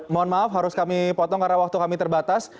mohon maaf harus kami potong karena waktu kami terbatas